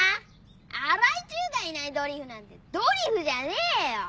荒井注がいないドリフなんてドリフじゃねえよ。